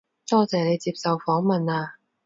多謝你接受訪問啊